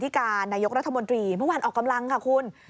การนายกรัฐมนตรีเมื่อวานออกกำลังค่ะคุณ